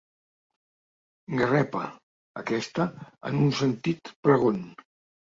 Garrepa, aquesta, en un sentit pregon.